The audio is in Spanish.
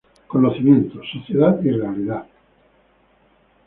Conocimiento, sociedad y realidad.